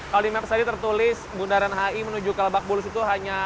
kalau di map tadi tertulis bundaran hi menuju ke lebak bulus itu hanya